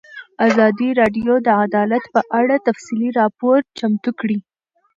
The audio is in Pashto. ازادي راډیو د عدالت په اړه تفصیلي راپور چمتو کړی.